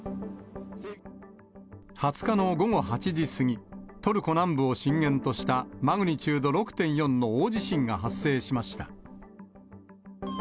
２０日の午後８時過ぎ、トルコ南部を震源としたマグニチュード６．４の大地震が発生しました。